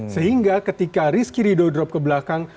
sehingga ketika rizky ridho drop ke belakang